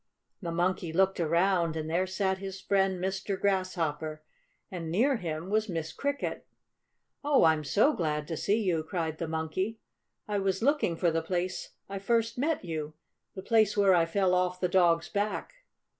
The Monkey looked around, and there sat his friend Mr. Grasshopper, and near him was Miss Cricket. "Oh, I'm so glad to see you!" cried the Monkey. "I was looking for the place I first met you the place where I fell off the dog's back."